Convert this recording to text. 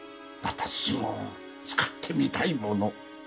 私も使ってみたいもの。